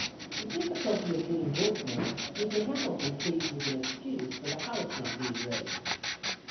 The difficulty of getting workmen, Mr. Hamilton pleads as an excuse for the house not being ready.